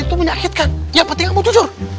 nenek nenek bangun nenek